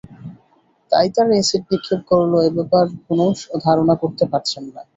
তাই কারা অ্যাসিড নিক্ষেপ করল—এ ব্যাপারে কোনো ধারণা করতে পারছেন না।